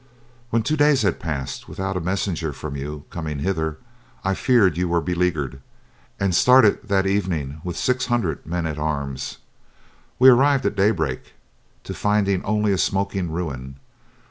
When two days passed without a messenger from you coming hither, I feared that you were beleaguered, and started that evening with six hundred men at arms. We arrived at daybreak to finding only a smoking ruin.